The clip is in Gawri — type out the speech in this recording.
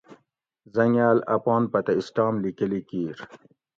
حٔنگال اپان پتہ اسٹام لیکلی کِیر